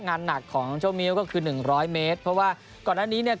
งานหนักของเจ้ามิ้วก็คือหนึ่งร้อยเมตรเพราะว่าก่อนหน้านี้เนี่ย